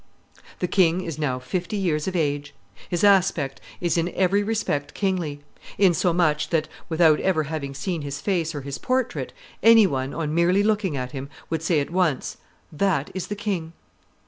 "The king is now fifty years of age; his aspect is in every respect kingly, insomuch that, without ever having seen his face or his portrait, any one, on merely looking at him, would say at once: 'That is the king.